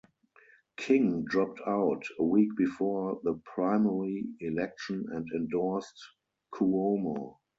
King dropped out a week before the primary election and endorsed Cuomo.